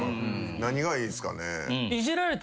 何がいいんすかね？